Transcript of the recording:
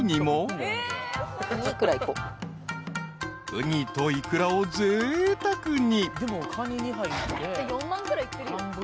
［うにとイクラをぜいたくに］